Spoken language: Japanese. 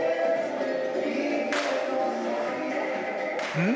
うん？